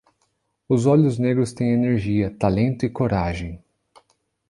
Os olhos negros têm energia, talento e coragem.